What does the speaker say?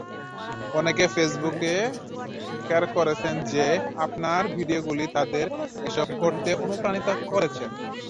অনেকে ফেসবুকে স্বীকার করেছেন যে আপনার ভিডিওগুলি তাদের এসব করতে অনুপ্রাণিত করেছে।